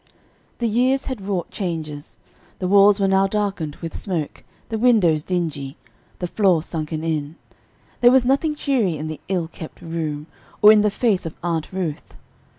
Years had wrought changes; the walls were now darkened with smoke, the windows dingy, the floor sunken in; there was nothing cheery in the ill kept room, or in the face of Aunt Ruth.